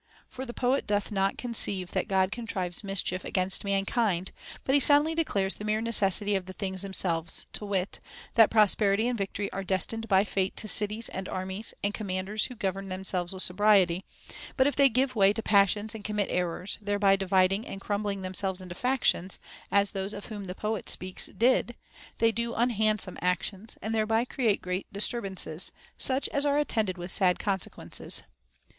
For the poet doth not conceive that God contrives mischief against mankind, but he soundly declares the mere necessity of the things themselves, to wit, that prosperity and victory are destined by Fate to cities and armies and commanders who govern themselves with sobriety, but if they give way to passions and commit errors, thereby dividing and crumbling them selves into factions, as those of whom the poet speaks did, they do unhandsome actions, and thereby create great dis turbances, such as are attended with sad consequences.